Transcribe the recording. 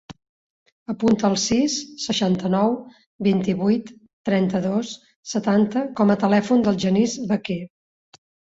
Apunta el sis, seixanta-nou, vint-i-vuit, trenta-dos, setanta com a telèfon del Genís Vaquer.